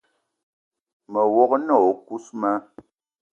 Me wog-na o kousma: